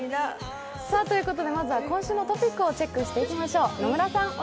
まずは今週のトピックをチェックしていきましょう。